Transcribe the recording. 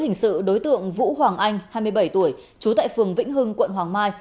hình sự đối tượng vũ hoàng anh hai mươi bảy tuổi trú tại phường vĩnh hưng quận hoàng mai